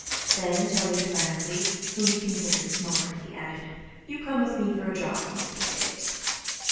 Then, turning to Francie, whom he considered "smart," he added: "You come with me for a drive one of these days."